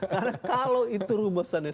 karena kalau itu rumusannya